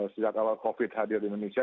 sejak awal covid hadir di indonesia